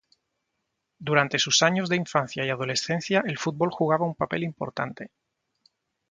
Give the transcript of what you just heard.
Durante sus años de infancia y adolescencia el fútbol jugaba un papel importante.